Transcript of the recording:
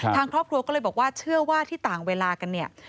ทางครอบครัวก็เลยบอกว่าเชื่อว่าที่ต่างเวลากันเนี่ย